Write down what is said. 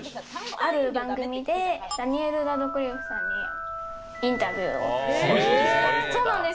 あるお仕事で、ダニエル・ラドクリフさんにインタビューを。